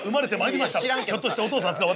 ひょっとしてお父さんですか？